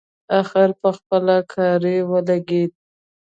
اخر پخپله کاري ولګېد.